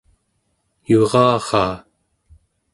yuraraa